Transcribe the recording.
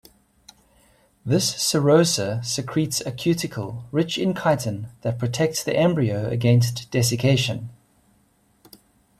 This serosa secretes a cuticle rich in chitin that protects the embryo against desiccation.